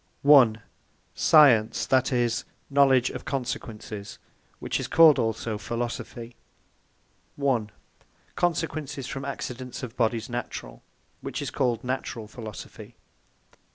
I. Science, that is, Knowledge of Consequences; which is called also PHILOSOPHY A. Consequences from Accidents of Bodies Naturall; which is called NATURALL PHILOSOPHY 1.